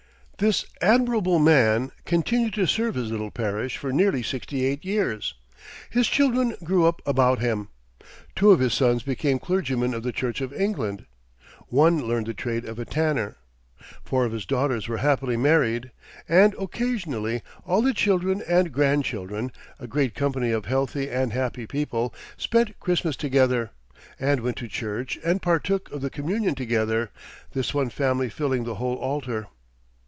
This admirable man continued to serve his little parish for nearly sixty eight years. His children grew up about him. Two of his sons became clergymen of the Church of England; one learned the trade of a tanner; four of his daughters were happily married; and, occasionally, all the children and grandchildren, a great company of healthy and happy people, spent Christmas together, and went to church, and partook of the communion together, this one family filling the whole altar.